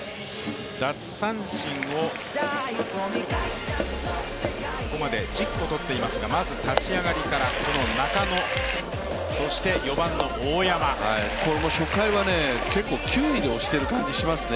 奪三振をここまで１０個とっていますが、まず立ち上がりから中野、初回は結構、球威で押している感じがいますね。